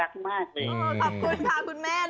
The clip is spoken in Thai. อ๊าาแข็งอาน